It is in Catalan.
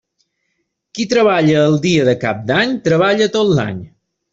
Qui treballa el dia de Cap d'any treballa tot l'any.